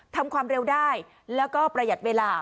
ทำความเร็วได้แล้วก็ประหยัดเวลา